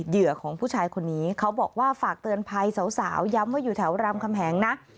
เหยื่อของผู้ชายคนนี้เขาบอกว่าฝากเตือนภัยสาวย้ำว่าอยู่แถวรามคำแหงนะ